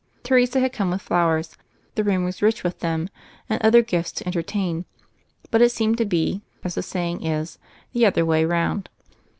Teresa had come with flowers — the room was rich with them — and other gifts to entertain; but it seemed to be, as the saying is, the other way round.